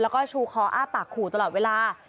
แล้วก็ชูคออ้าปากขู่ตลอดเวลา